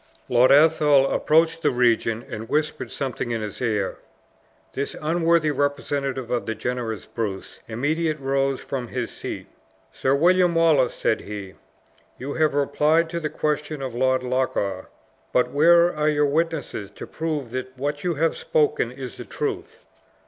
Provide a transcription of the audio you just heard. Lord Athol approached the regent, and whispered something in his ear. This unworthy representative of the generous Bruce, immediate rose from his seat. "Sir William Wallace," said he, "you have replied to the questions of Lord Loch awe, but where are your witnesses to prove that what you have spoken is the truth?"